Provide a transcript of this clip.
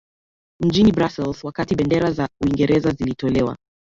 mjini Brussels wakati bendera za Uingereza zilitolewa